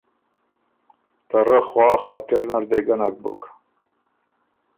ته رۀ خوا خاطر نر دې ګۀ نک بُک